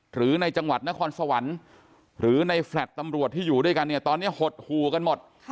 หรือในจังหวัดนครสวรรค์หรือในแฟลต์ตำรวจที่อยู่ด้วยกันเนี่ยตอนนี้หดหู่กันหมด